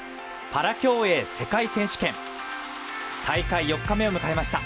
パラ競泳世界選手権大会４日目を迎えました。